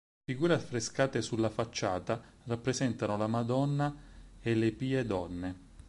Le figure affrescate sulla facciata rappresentano la "Madonna" e le "Pie Donne".